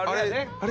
「あれ？」